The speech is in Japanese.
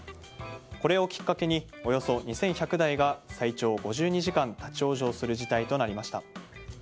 これをきっかけにおよそ２１００台が最長５２時間立ち往生する事態となりました。